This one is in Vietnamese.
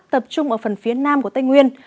tập trung ở phần phía nam của tây nguyên